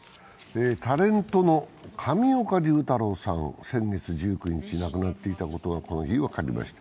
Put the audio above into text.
タレントの上岡龍太郎さんが先月１９日、亡くなっていたことがこの日、分かりました。